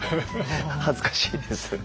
恥ずかしいです。